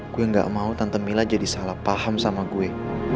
gue gak mau tante mila jadi salah paham sama gue